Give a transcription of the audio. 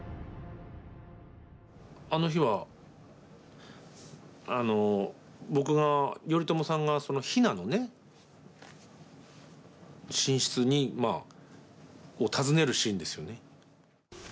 あの日はあの僕が頼朝さんが比奈のね寝室を訪ねるシーンですよね。